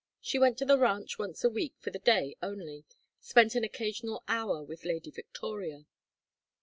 She went to the ranch once a week for the day only, spent an occasional hour with Lady Victoria.